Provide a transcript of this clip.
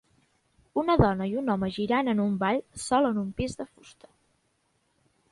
Una dona i un home girant en un ball sol en un pis de fusta